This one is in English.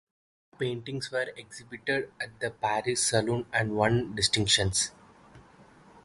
Both paintings were exhibited at the Paris Salon and won distinctions.